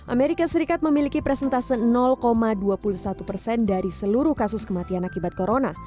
amerika serikat memiliki presentase dua puluh satu persen dari seluruh kasus kematian akibat corona